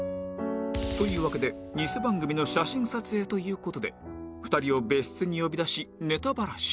というわけで偽番組の写真撮影という事で２人を別室に呼び出しネタバラシ